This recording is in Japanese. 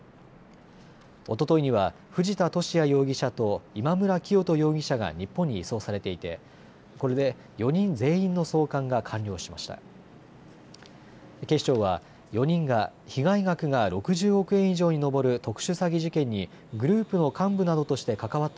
おとといには藤田聖也容疑者と今村磨人容疑者が日本に移送されていてこれで４人全員の送還が完了しました。